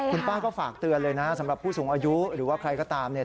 คุณป้าก็ฝากเตือนเลยนะสำหรับผู้สูงอายุหรือว่าใครก็ตามเนี่ย